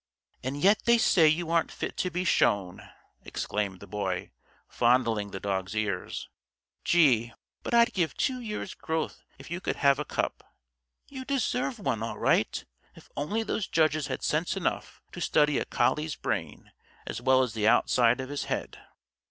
"And yet they say you aren't fit to be shown!" exclaimed the Boy, fondling the dog's ears. "Gee, but I'd give two years' growth if you could have a cup! You deserve one, all right; if only those judges had sense enough to study a collie's brain as well as the outside of his head!"